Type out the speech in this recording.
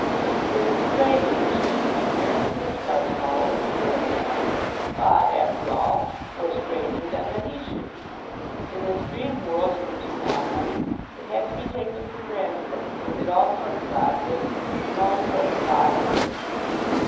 It was strange that she should be here in the pitch dark hall in the middle of the night; but after all no stranger than that he should be. In this dream world in which he now moved it had to be taken for granted that people did all sorts of odd things from all sorts of odd motives.